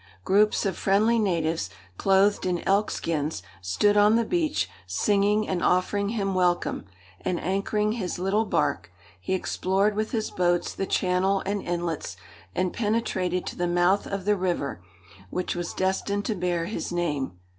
Groups of friendly natives, clothed in elk skins, stood on the beach, singing, and offering him welcome, and, anchoring his little bark, he explored with his boats the channel and inlets, and penetrated to the mouth of the river which was destined to bear his name.